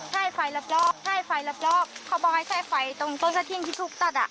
ก็จะมีทางหน้าเนี่ยค่ะ๒ต้น